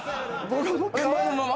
前のまま？